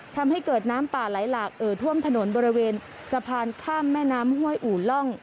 ทำให้เกิดน้ำป่าไหลหลากเอ่อท่วมถนนบริเวณสะพานข้ามแม่น้ำห้วยอู่ล่อง